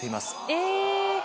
え！